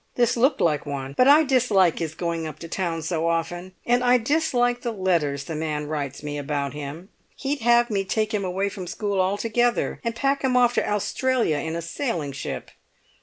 This looked like one. But I dislike his going up to town so often, and I dislike the letters the man writes me about him. He'd have me take him away from school altogether, and pack him off to Australia in a sailing ship.